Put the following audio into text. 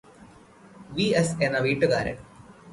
V S എന്ന വീട്ടുകാരൻ